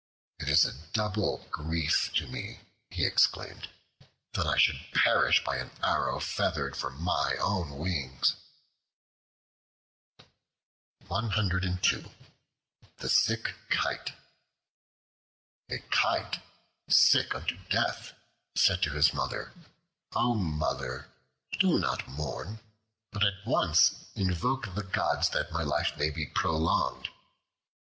"It is a double grief to me," he exclaimed, "that I should perish by an arrow feathered from my own wings." The Sick Kite A KITE, sick unto death, said to his mother: "O Mother! do not mourn, but at once invoke the gods that my life may be prolonged."